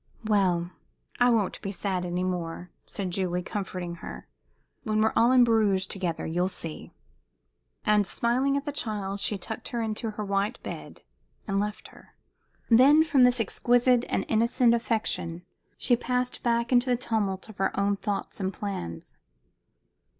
"Well, I won't be sad any more," said Julie, comforting her. "When we're all in Bruges together, you'll see." And smiling at the child, she tucked her into her white bed and left her. Then from this exquisite and innocent affection she passed back into the tumult of her own thoughts and plans.